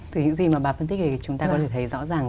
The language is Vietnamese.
từ những gì mà bà phân tích thì chúng ta có thể thấy rõ ràng